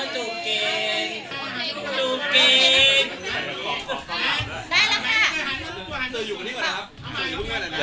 รู้กิจ